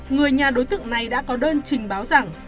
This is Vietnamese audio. người nhà đối tượng này đã có đơn trình báo rằng